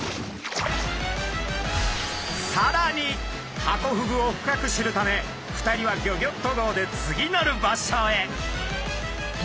さらにハコフグを深く知るため２人はギョギョッと号で次なる場所へ。